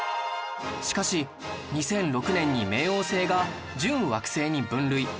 しかし２００６年に冥王星が準惑星に分類